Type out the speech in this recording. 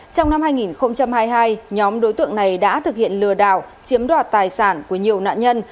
trong năm hai nghìn hai mươi hai nhóm đối tượng này đã thực hiện lừa đảo chiếm đoạt tài sản của nhiều nạn nhân